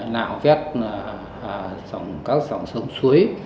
nạo vét các dòng sống suối